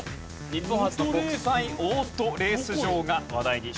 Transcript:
日本初の国際オートレース場が話題に。